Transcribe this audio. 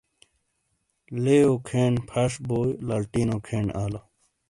لیئو کھین پھش بو لالٹینو کھین آلو۔